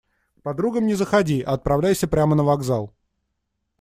К подругам не заходи, а отправляйся прямо на вокзал.